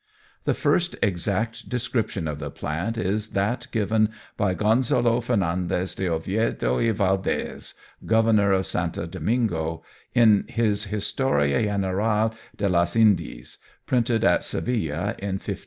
The first exact description of the plant is that given by Gonzalo Fernandez de Oviedo y Valdés, Governor of St. Domingo, in his Historia General de las Indias, printed at Seville in 1535.